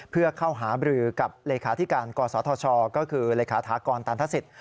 เพื่อเข้าหาบรือกับเลขาธิการกศธชก็คือเลขาธากรตันทศิษย